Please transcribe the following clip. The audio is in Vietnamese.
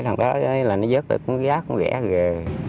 thằng đó nói là nó vớt được giá cũng rẻ ghê